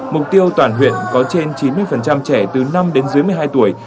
mục tiêu toàn huyện có trên chín mươi trẻ từ năm đến dưới một mươi hai tuổi